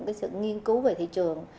tôi đều có những cái sự nghiên cứu về thị trường